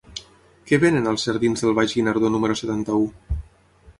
Què venen als jardins del Baix Guinardó número setanta-u?